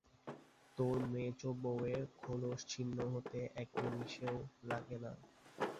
তোর মেজবউয়ের খোলস ছিন্ন হতে এক নিমেষও লাগে না।